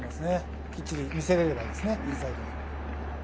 きっちり見せれれば、インサイド。